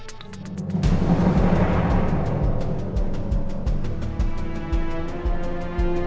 tunggu disini double